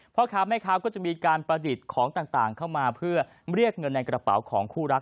พ่อค้าแม่ค้าก็จะมีการประดิษฐ์ของต่างเข้ามาเพื่อเรียกเงินในกระเป๋าของคู่รัก